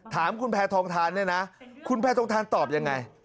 ถามคุณแพทองทานเนี่ยนะคุณแพทองทานตอบยังไง